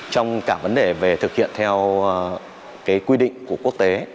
trong cả vấn đề về thực hiện theo quy định của quốc tế